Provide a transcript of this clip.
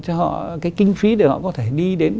cho họ cái kinh phí để họ có thể đi đến